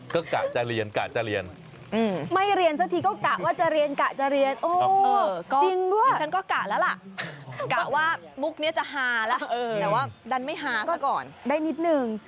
ก็กะจะเรียนกะจะเรียน